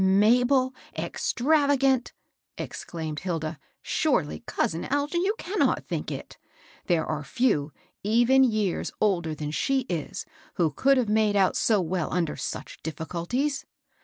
^^ Mabel extravagant I " exclaimed Hilda^ ^^ Snrely, cousin Algin, you cannot think it I There are few, even years older than she is, whQ could have made out i^ well under ouch difficul ties."